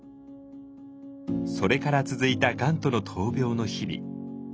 それから続いた「がん」との闘病の日々。